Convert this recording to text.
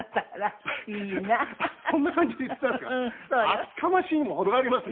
厚かましいにも程がありますね！